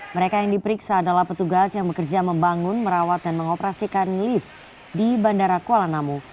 mereka yang diperiksa adalah petugas yang bekerja membangun merawat dan mengoperasikan lift di bandara kuala namu